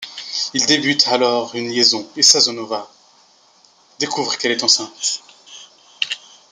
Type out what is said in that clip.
Ils débutent alors une liaison et Sazonova découvre qu'elle est enceinte.